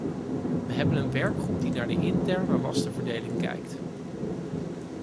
We hebben een werkgroep die naar de interne lastenverdeling kijkt.